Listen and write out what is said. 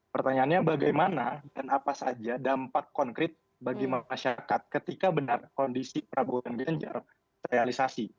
pertanyaannya bagaimana dan apa saja dampak konkret bagi masyarakat ketika benar kondisi prabowo dan ganjar terrealisasi